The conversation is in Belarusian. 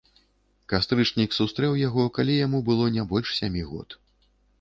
Кастрычнік сустрэў яго, калі яму было не больш сямі год.